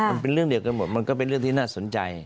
มันเป็นเรื่องเดียวกันหมดมันก็เป็นเรื่องที่น่าสนใจ